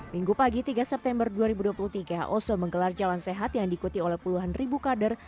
minggu pagi tiga september dua ribu dua puluh tiga oso menggelar jalan sehat yang diikuti oleh puluhan ribu kader